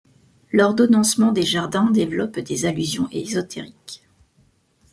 L'ordonnancement des jardins développe des allusions ésotériques.